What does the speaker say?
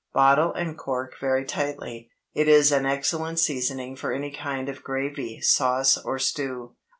Bottle and cork very tightly. It is an excellent seasoning for any kind of gravy, sauce, or stew.